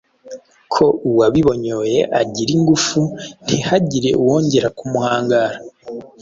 ko uwabinyoye agira ingufu ntihagire uwongera kumuhangara.